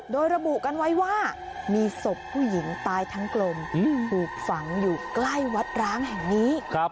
โดยระบุกันไว้ว่ามีศพผู้หญิงตายทั้งกลมถูกฝังอยู่ใกล้วัดร้างแห่งนี้